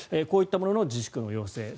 こういったものの自粛の要請。